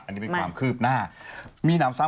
เอ้าเป็นกำลังใจให้นะครับ